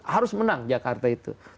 harus menang jakarta itu